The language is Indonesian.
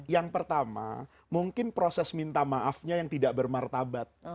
yang pertama mungkin proses minta maafnya yang tidak bermartabat